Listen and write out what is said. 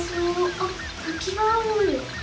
あったきがある！